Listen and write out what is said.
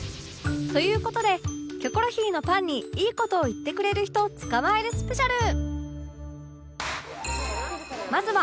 という事で『キョコロヒー』のパンにいい事を言ってくれる人つかまえるスペシャル！